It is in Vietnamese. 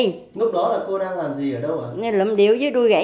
lúc đó là cô đang làm gì ở đâu ạ